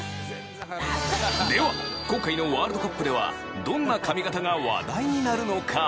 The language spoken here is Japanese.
では今回のワールドカップではどんな髪形が話題になるのか？